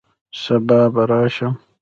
سبا به راشم